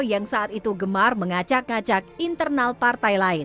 yang saat itu gemar mengacak ngacak internal partai lain